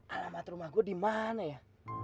alamat rumah gua dimana ya